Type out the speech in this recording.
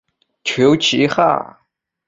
求其下